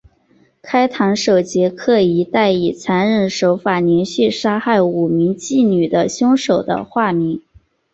开膛手杰克一带以残忍手法连续杀害五名妓女的凶手的化名。